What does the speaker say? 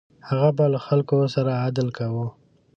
هغه به له خلکو سره عدل کاوه.